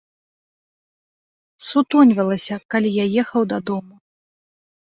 Сутоньвалася, калі я ехаў дадому.